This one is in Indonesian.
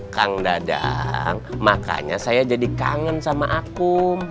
kang dadang makanya saya jadi kangen sama aku